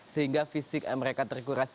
sehingga fisik mereka terkuras